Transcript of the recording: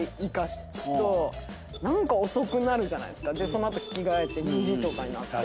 その後着替えて２時になって。